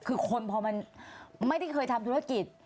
คือคนพอมันไม่ได้เคยทำธุรกิจ